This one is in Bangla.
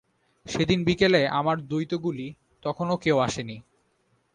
সেদিন বিকেলে আমার দ্বৈতগুলি তখনো কেউ আসে নি।